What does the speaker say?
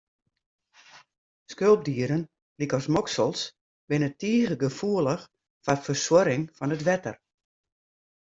Skulpdieren lykas moksels, binne tige gefoelich foar fersuorring fan it wetter.